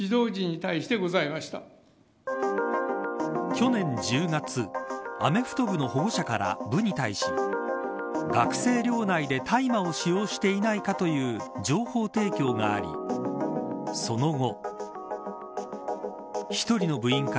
去年１０月アメフト部の保護者から部に対し学生寮内で大麻を使用していないかという情報提供がありその後。